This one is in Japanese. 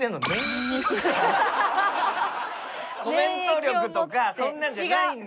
コメント力とかそんなんじゃないんだ。